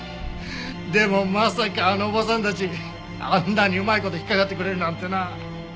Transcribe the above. でもまさかあのおばさんたちあんなにうまい事引っかかってくれるなんてな。